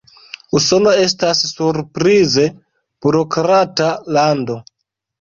Usono estas surprize burokrata lando.